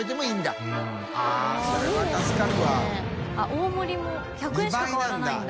△大盛りも１００円しか変わらないんだ。